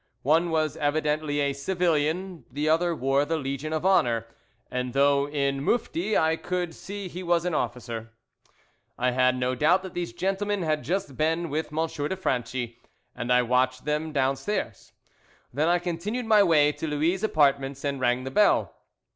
One was evidently a civilian, the other wore the Legion of Honour, and though in mufti I could see he was an officer. I had, no doubt, that these gentlemen had just been with M. de Franchi, and I watched them downstairs. Then I continued my way to Louis' apartments and rang the bell.